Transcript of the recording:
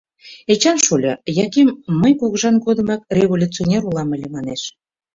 — Эчан шольо, Яким «мый кугыжан годымак революционер улам ыле», — манеш.